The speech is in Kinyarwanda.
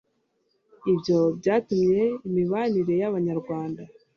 ibyo byatumye imibanire y'abanyarwanda